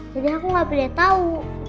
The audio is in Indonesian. jadi aku gak boleh tau